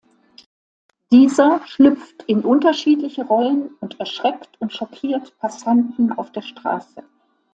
Dieser schlüpft in unterschiedliche Rollen und erschreckt und schockiert Passanten auf der Straße.